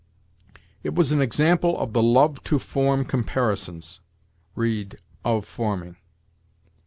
"'It was an example of the love to form comparisons': read, 'of forming.'